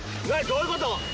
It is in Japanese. どういうこと？